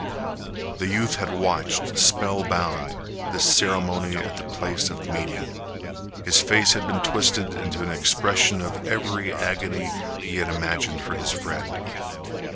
The youth had watched, spellbound, this ceremony at the place of meeting. His face had been twisted into an expression of every agony he had imagined for his friend.